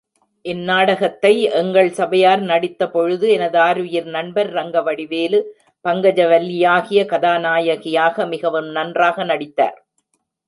இந் நாடகத்தை எங்கள் சபையார் நடித்தபொழுது எனதாருயிர் நண்பர் ரங்கவடிவேலு பங்கஜவல்லியாகிய கதா நாயகியாக மிகவும் நன்றாக நடித்தார்.